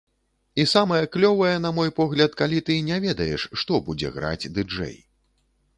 І самае клёвае, на мой погляд, калі ты не ведаеш, што будзе граць ды-джэй.